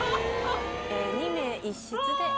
２名１室で。